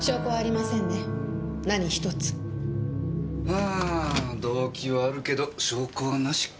あ動機はあるけど証拠はなしか。